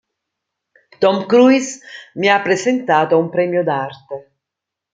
Tom Cruise mi ha presentato a un premio d'arte.